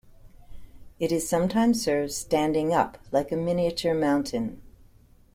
It is sometimes served standing up like a miniature mountain.